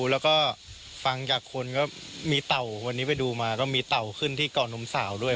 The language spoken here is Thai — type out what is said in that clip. แล้วก็ฟังจากคนก็มีเต่าวันนี้ไปดูมาก็มีเต่าขึ้นที่เกาะนมสาวด้วย